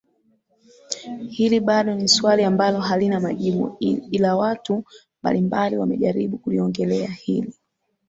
Hili bado ni swali ambalo halina majibu ila watu mbalimbali wamejaribu kuliongelea hili